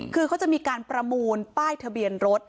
คือเขาจะมีการประมูลป้ายทะเบียนรถ